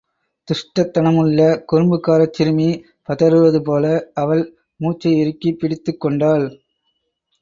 துஷ்டத் தனமுள்ள குறும்புக்காரச் சிறுமி பதறுவது போல, அவள் மூச்சையிறுக்கிப் பிடித்துக் கொண்டாள்.